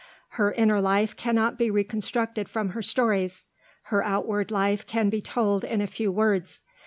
Her inner life cannot be reconstructed from her stories: her outward life can be told in a few words.